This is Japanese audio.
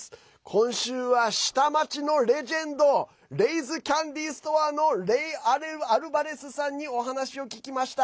今週は下町のレジェンドレイズ・キャンデー・ストアのレイ・アルバレスさんにお話を聞きました。